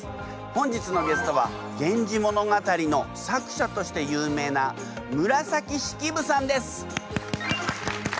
本日のゲストは「源氏物語」の作者として有名な紫式部さんです。